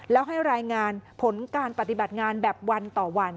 แล้วให้รายงานผลการปฏิบัติงานแบบวันต่อวัน